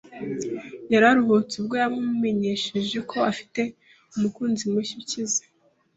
Yararuhutse ubwo yamumenyesheje ko afite umukunzi mushya ukize